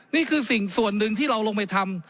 นี่คือสิ่งส่วนหนึ่งที่เราลงไปทำ